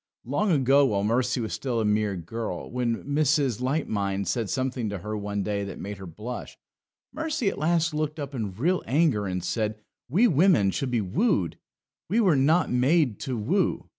Long ago, while Mercy was still a mere girl, when Mrs. Light mind said something to her one day that made her blush, Mercy at last looked up in real anger and said, We women should be wooed; we were not made to woo.